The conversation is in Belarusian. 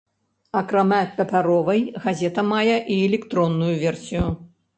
Акрамя папяровай, газета мае і электронную версію.